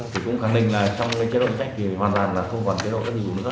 thì cũng khẳng định là trong cái chế độ trách thì hoàn toàn là không còn chế độ rất nhiều nữa đó